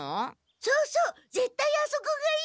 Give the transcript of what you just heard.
そうそうぜったいあそこがいい！